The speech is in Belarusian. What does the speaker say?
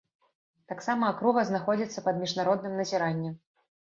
Таксама акруга знаходзіцца пад міжнародным назіраннем.